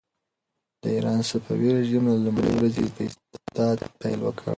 د ایران صفوي رژیم له لومړۍ ورځې په استبداد پیل وکړ.